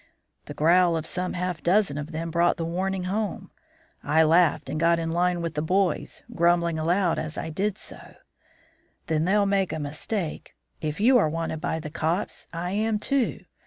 "The growl of some half dozen of them brought the warning home. I laughed and got in line with the boys, grumbling aloud as I did so: "'Then they'll make a mistake. If you are wanted by the cops, I am, too.